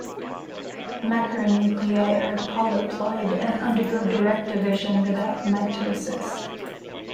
Macronuclei are polyploid and undergo direct division without mitosis.